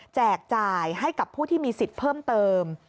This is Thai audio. จ่ายให้กับผู้ที่มีสิทธิ์เพิ่มเติม